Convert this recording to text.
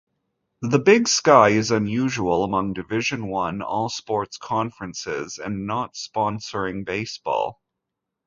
The Big Sky is unusual among Division One all-sports conferences in not sponsoring baseball.